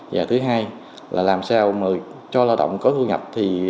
và thứ hai là làm sao cho lao động có thu nhập